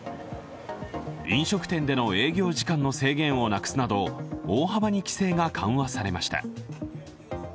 飲食店での営業時間の制限をなくすなど大幅に規制が緩和されました。